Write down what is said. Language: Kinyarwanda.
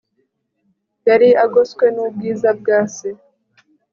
yari agoswe nubwiza bwa Se